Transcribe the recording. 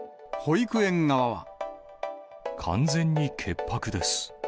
完全に潔白です。